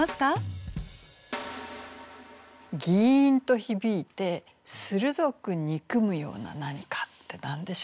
ぎいんとひびいて鋭く憎むような何かって何でしょうね？